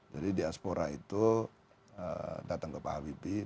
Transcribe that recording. jadi diaspora itu datang ke pak habibie